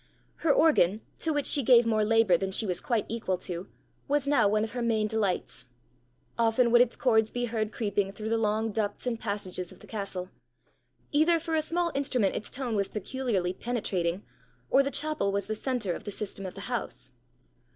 Her organ, to which she gave more labour than she was quite equal to, was now one of her main delights. Often would its chords be heard creeping through the long ducts and passages of the castle: either for a small instrument its tone was peculiarly penetrating, or the chapel was the centre of the system of the house.